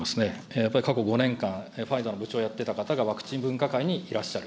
やっぱり過去５年間、ファイザーの部長をやってたかたがワクチン分科会にいらっしゃる。